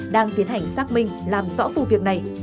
đang tiến hành xác minh làm rõ vụ việc này